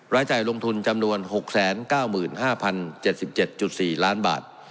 รายจ่ายลงทุนจำนวน๖๙๕๐๗๗๔ล้านบาท